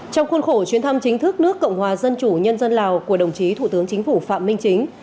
trong khuôn khổ chuyến thăm chính thức nước cộng hòa dân chủ nhân dân lào của đồng chí thủ tướng chính phủ phạm minh chính